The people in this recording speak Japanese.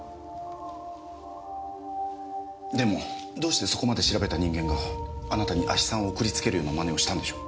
でもどうしてそこまで調べた人間があなたに亜ヒ酸を送りつけるような真似をしたんでしょう？